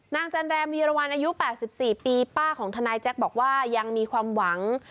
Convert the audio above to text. จันแรมวีรวรรณอายุ๘๔ปีป้าของทนายแจ็คบอกว่ายังมีความหวัง